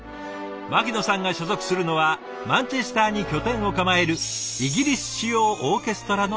牧野さんが所属するのはマンチェスターに拠点を構えるイギリス主要オーケストラの一つ。